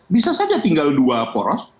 bisa saja tinggal dua poros